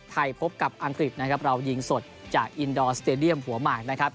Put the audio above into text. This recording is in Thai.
พบกับอังกฤษนะครับเรายิงสดจากอินดอร์สเตดียมหัวหมากนะครับ